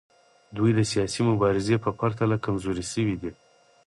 دوی د سیاسي مبارزې په پرتله کمزورې شوي دي